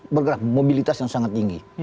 bergerak mobilitas yang sangat tinggi